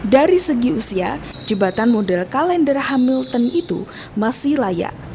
dari segi usia jembatan model kalender hamilton itu masih layak